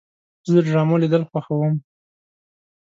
زه د ډرامو لیدل خوښوم.